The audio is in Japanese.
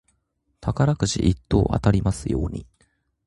宝くじ一等当たりますように。